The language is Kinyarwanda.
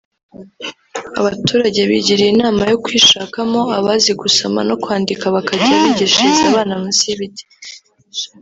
Abaturage bigiriye inama yo kwishakamo abazi gusoma no kwandika bakajya bigishiriza abana munsi y’ibiti